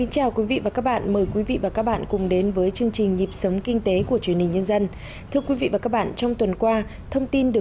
chào mừng quý vị đến với bộ phim hãy nhớ like share và đăng ký kênh của chúng mình nhé